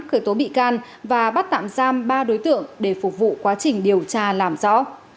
khởi tố bị can và bắt tạm giam ba đối tượng để phục vụ quá trình điều tra làm rõ